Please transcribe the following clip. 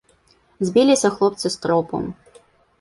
Збіліся хлопцы з тропу.